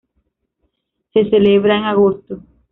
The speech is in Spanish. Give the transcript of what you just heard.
Se celebra en agosto.